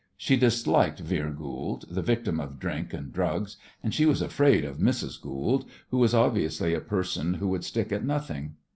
She disliked Vere Goold, the victim of drink and drugs, and she was afraid of Mrs. Goold, who was obviously a person who would stick at nothing.